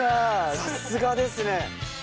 さすがですね。